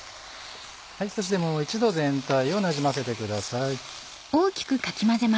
そしてもう一度全体をなじませてください。